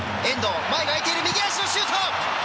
前が空いている右足のシュート。